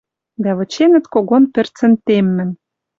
Дӓ выченӹт когон пӹрцӹн теммӹм.